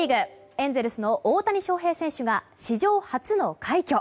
エンゼルスの大谷翔平選手が史上初の快挙。